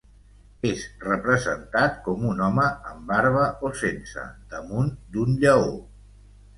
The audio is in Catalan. És representat com un home amb barba o sense, damunt d'un lleó.